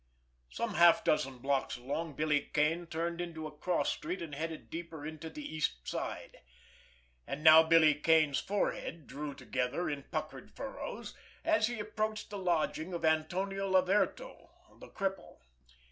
Some half dozen blocks along, Billy Kane turned into a cross street and headed deeper into the East Side. And now Billy Kane's forehead drew together in puckered furrows, as he approached the lodging of Antonio Laverto, the cripple.